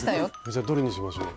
じゃどれにしましょう。